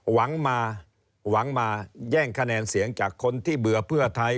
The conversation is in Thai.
หวังมาหวังมาแย่งคะแนนเสียงจากคนที่เบื่อเพื่อไทย